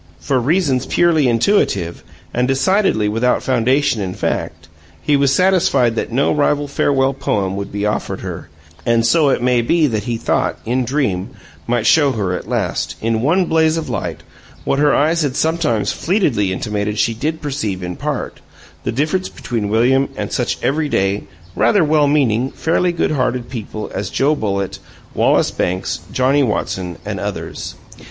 For reasons purely intuitive, and decidedly without foundation in fact, he was satisfied that no rival farewell poem would be offered her, and so it may be that he thought "In Dream" might show her at last, in one blaze of light, what her eyes had sometimes fleetingly intimated she did perceive in part the difference between William and such every day, rather well meaning, fairly good hearted people as Joe Bullitt, Wallace Banks, Johnnie Watson, and others.